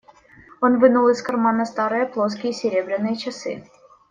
Он вынул из кармана старые плоские серебряные часы.